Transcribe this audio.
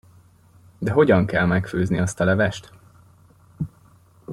De hogyan kell megfőzni azt a levest?